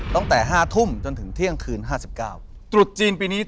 ตั้งแต่๕ทุ่มจนถึงเที่ยงคืน๕๙